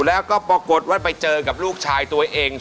แล้วก็ปรากฏว่าไปเจอกับลูกชายตัวเอง